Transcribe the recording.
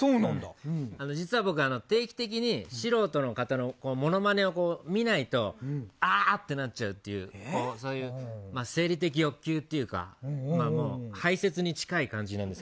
実は僕、定期的に素人の方のモノマネを見ないとあー！ってなっちゃうそういう生理的欲求というか排泄に近い感じなんです。